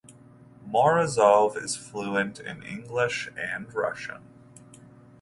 Morozov is fluent in English and Russian.